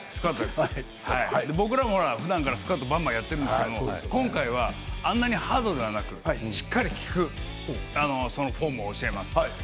僕らもふだんからスクワットをばんばんやっているんですけど今回は、あんなにハードではなくしっかり効くフォームを教えます。